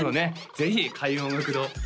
ぜひ開運音楽堂見